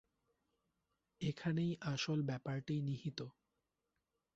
এখানেই আসল ব্যাপারটি নিহিত।